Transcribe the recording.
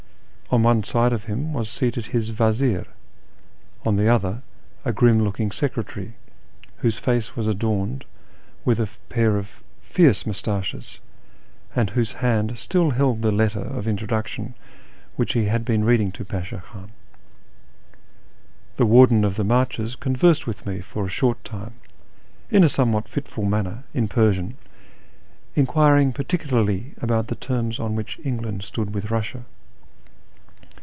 On one side of liini was seated his vazir, on the other a i,'rini k)oking secretary, whose face was adorned with a pair of tioroe moustaches, and wliose hand still held the letter of introduction which he had been reading to IVislui Kluin. The Warden of the IMarches conversed with me for a short time, in a somewliat fitful manner, in Persian, enquiring par ticularly about the terms on which England stood with Kussia.